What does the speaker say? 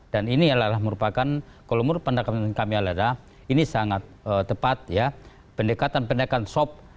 dan ini adalah merupakan kolomur pendekatan kami adalah ini sangat tepat ya pendekatan pendekatan soft